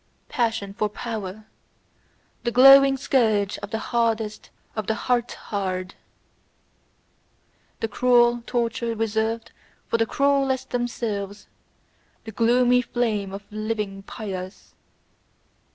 Passion for power: the glowing scourge of the hardest of the heart hard; the cruel torture reserved for the cruellest themselves; the gloomy flame of living pyres.